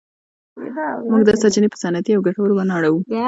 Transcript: موږ دا سرچینې په صنعتي او ګټورو بڼو اړوو.